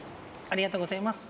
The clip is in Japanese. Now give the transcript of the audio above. ありがとうございます